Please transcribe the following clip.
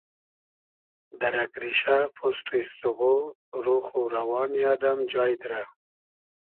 دۂ رئگ ریشۂ پوست و ایسیغۉ روخ و روانی آدئم جای دیرۂ